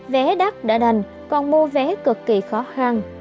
vé đắt đã đành còn mua vé cực kỳ khó khăn